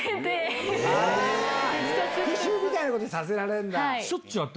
復習みたいなことさせられるんだ。